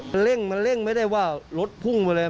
มันเร่งมันเร่งไม่ได้ว่ารถพุ่งไปเลย